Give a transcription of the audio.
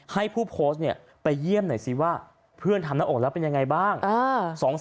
ให้ผู้โพสต์ไปเยี่ยมหน่อยซิว่าเพื่อนทำหน้าอกแล้วเป็นยังไงบ้าง